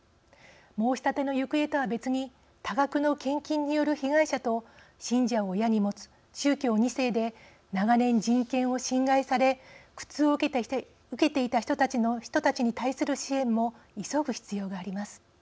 申し立ての行方とは別に多額の献金による被害者と信者を親に持つ宗教２世で長年、人権を侵害され苦痛を受けていた人たちに対する支援も急ぐ必要があります。